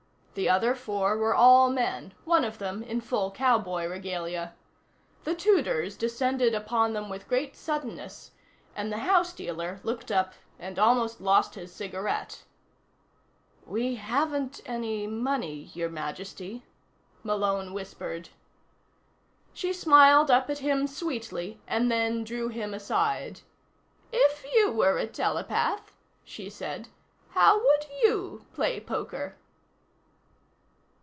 The other four were all men, one of them in full cowboy regalia. The Tudors descended upon them with great suddenness, and the house dealer looked up and almost lost his cigarette. "We haven't any money, Your Majesty," Malone whispered. She smiled up at him sweetly, and then drew him aside. "If you were a telepath," she said, "how would you play poker?"